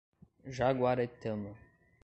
Jaguaretama